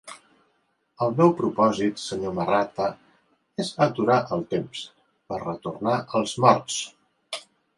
El meu propòsit, Sr. Marratta, és aturar el temps, per retornar els morts.